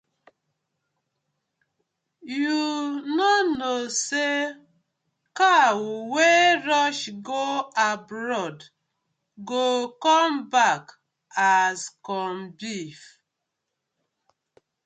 Yu no kno say cow wey rush go abroad go come back as corn beef.